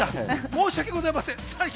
申しわけございません。